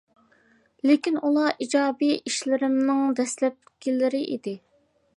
لېكىن ئۇلار ئىجادىي ئىشلىرىمنىڭ دەسلەپكىلىرى ئىدى.